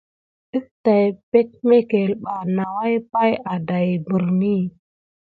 Ɗəf tay peɗmekel ɓa nawua pay adaye birayini.